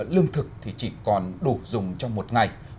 lương thực chỉ còn đủ dùng trong một ngày